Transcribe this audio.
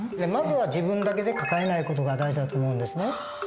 まずは自分だけで抱えない事が大事だと思うんですね。